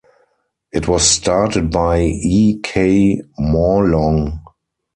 It was started by E. K. Mawlong.